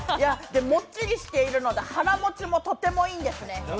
もっちりしているので、腹もちもとてもいいんですね。